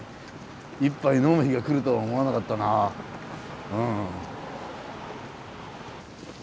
１杯呑む日がくるとは思わなかったなうん。